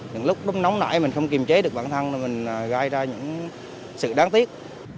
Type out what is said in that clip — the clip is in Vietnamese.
những lúc nóng nãy mình không kiềm chế được bản thân thì mình gai ra những sự đáng tiếc